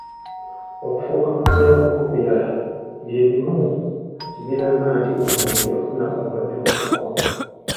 Okufukafuka n'okubuguyala bye bimu kibiraga nti omuntu yafuna obulwadde bw'obuko.